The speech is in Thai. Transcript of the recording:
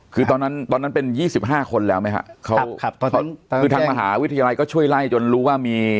คือตอนนั้นตอนนั้นเป็นยี่สิบห้าคนแล้วไหมฮะเขาครับครับตอนนั้นคือทางมหาวิทยาลัยก็ช่วยไล่จนรู้ว่ามี